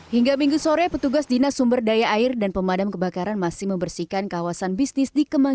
hingga minggu sore petugas dinas sumber daya air dan pemadam kebakaran masih membersihkan kawasan bisnis di kemang